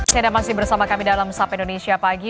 saya masih bersama kami dalam sap indonesia pagi